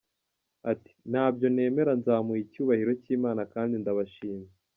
Ati “ Ntabyo nemera nzamuye icyubahiro cy’Imana kandi ndabashimiye”.